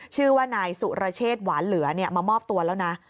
ชื่อว่านายสุรเชษหวานเหลือมามอบตัวแล้วนะ